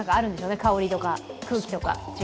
香りとか空気とか。